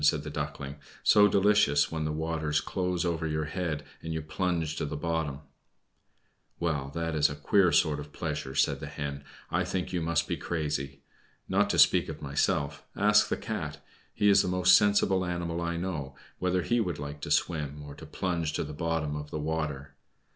said the Duckling. "So delicious when the waters close over your head, and you plunge to the bottom!" "Well, that is a queer sort of pleasure," said the Hen. "I think you must be crazy. Not to speak of myself, ask the Cat he is the most sensible animal I know whether he would like to swim, or to plunge to the bottom of the water.